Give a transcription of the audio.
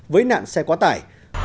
với nạn xe quá tải